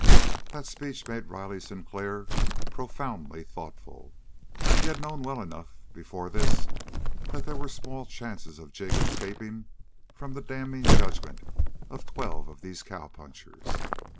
That speech made Riley Sinclair profoundly thoughtful. He had known well enough before this that there were small chances of Jig escaping from the damning judgment of twelve of these cowpunchers.